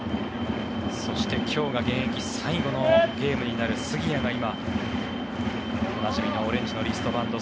そして今日が現役最後のゲームになる杉谷が今、おなじみのオレンジのリストバンド